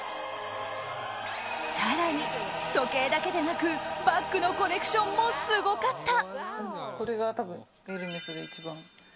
更に時計だけでなく、バッグのコレクションもすごかった。